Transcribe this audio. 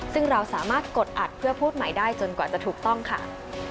ซึ่งเราสามารถกดอัดเพื่อพูดใหม่ได้จนกว่าจะถูกต้องค่ะ